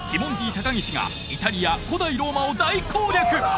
高岸がイタリア古代ローマを大攻略